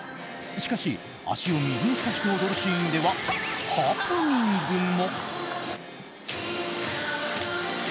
しかし、足を水に浸して踊るシーンではハプニングも。